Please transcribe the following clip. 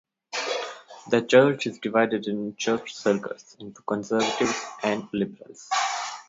The church is "divided in church circles into conservatives and liberals".